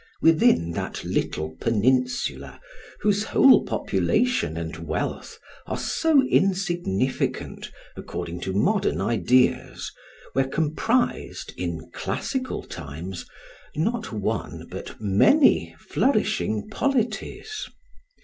Within that little peninsular whose whole population and wealth are so insignificant according to modern ideas, were comprised in classical times not one but many flourishing polities.